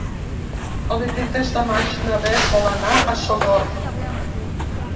El vint-i-tres de maig na Beth vol anar a Sogorb.